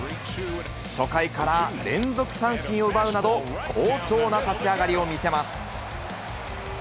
初回から連続三振を奪うなど、好調な立ち上がりを見せます。